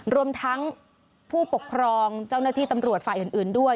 รวมทั้งผู้ปกครองเจ้าหน้าที่ตำรวจฝ่ายอื่นด้วย